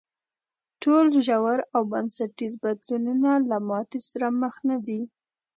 ټول ژور او بنسټیز بدلونونه له ماتې سره مخ نه دي.